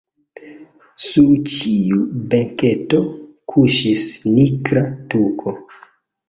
Sur ĉiu benketo kuŝis nigra tuko.